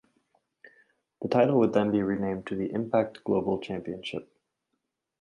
The title would be then renamed to the Impact Global Championship.